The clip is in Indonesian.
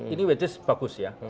ini which is bagus ya